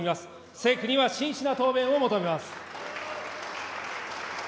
政府には真摯な答弁を求めます。